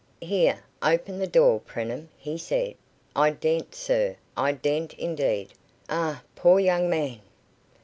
"Here, open that door, Preenham," he said. "I daren't, sir, I daren't indeed. Ah, poor young man!"